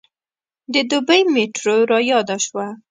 د دوبۍ میټرو رایاده شوه.